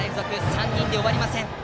３人では終わりません。